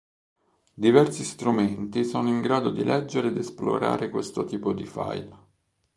Diversi strumenti sono in grado di leggere ed esplorare questo tipo di file.